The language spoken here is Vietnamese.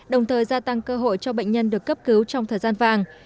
đồng thời gia tăng cơ hội cho bệnh nhân được cấp cứu trong thời gian vàng